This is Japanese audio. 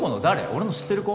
俺の知ってる子？